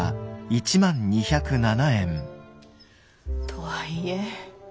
とはいえ